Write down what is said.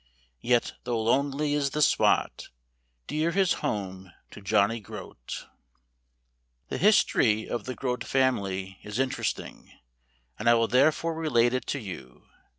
Yet, though lonely is the spot, Dear his home to Johnny Groat. 10 ENGLAND. The history of the Groat Family is interesting, and I will therefore relate it to you.